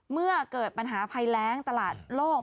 เมื่อเกิดปัญหาภัยแรงตลาดโลก